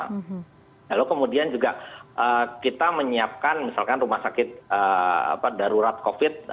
lalu kemudian juga kita menyiapkan misalkan rumah sakit darurat covid